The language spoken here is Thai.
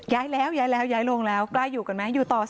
ย้ายแล้วย้ายแล้วย้ายลงแล้วกล้าอยู่กันไหมอยู่ต่อสิ